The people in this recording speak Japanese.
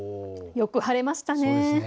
よく晴れました。